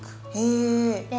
へえ。